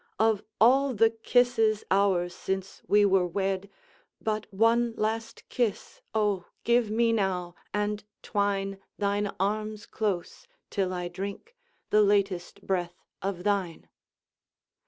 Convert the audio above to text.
Of all the kisses ours since we were wed, But one last kiss, oh, give me now, and twine Thine arms close, till I drink the latest breath of thine!